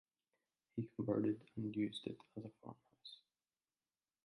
He converted and used it as a farmhouse.